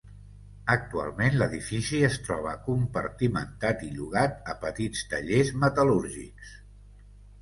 Actualment l'edifici es troba compartimentat i llogat a petits tallers metal·lúrgics.